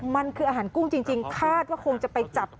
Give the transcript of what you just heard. มันคืออาหารกุ้งจริงคาดว่าคงจะไปจับ